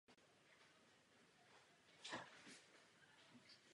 Vláda existenci této organizace popírá.